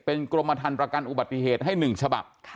เป็นกรมฐานประกันอุบัติเหตุให้๑ฉบับ